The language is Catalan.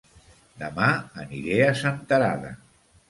Dema aniré a Senterada